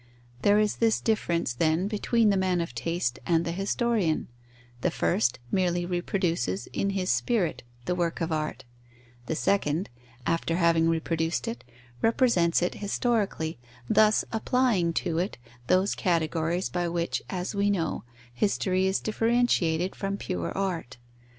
There is this difference, then, between the man of taste and the historian: the first merely reproduces in his spirit the work of art; the second, after having reproduced it, represents it historically, thus applying to it those categories by which, as we know, history is differentiated from pure art.